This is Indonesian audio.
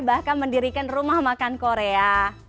bahkan mendirikan rumah makan korea